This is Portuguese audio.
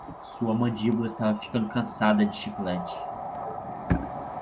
Sua mandíbula estava ficando cansada de chiclete.